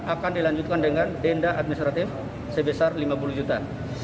akan dilanjutkan dengan denda administratif sebesar lima puluh juta